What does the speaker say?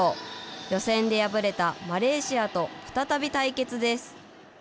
予選で敗れたマレーシアと再び対決です。